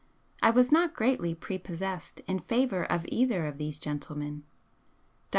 I was not greatly prepossessed in favour of either of these gentlemen. Dr.